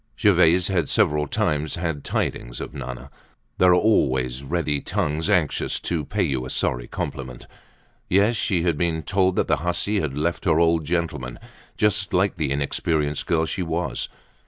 Gervaise had several times had tidings of Nana. There are always ready tongues anxious to pay you a sorry compliment. Yes, she had been told that the hussy had left her old gentleman, just like the inexperienced girl she was.